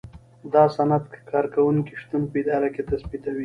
دا سند د کارکوونکي شتون په اداره کې تثبیتوي.